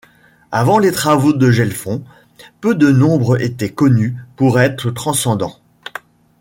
Avant les travaux de Gelfond, peu de nombres étaient connus pour être transcendants.